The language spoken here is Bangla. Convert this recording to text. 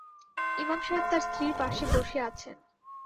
ইমাম সাহেব তাঁর স্ত্রীর পাশে বসে আছেন।